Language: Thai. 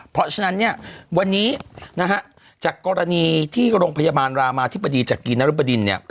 เพราะฉะนั้นเนี่ยวันนี้นะฮะจากกรณีที่โรงพยาบาลรามาที่ปฏิจักรีนรับดินเนี่ย